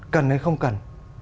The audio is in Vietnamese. cần hay không cần